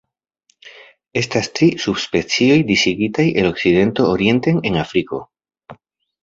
Estas tri subspecioj disigitaj el okcidento orienten en Afriko.